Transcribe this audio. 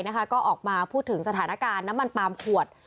ก็ออกมาพูดถึงสถานการณ์น้ำมันปาล์มขวด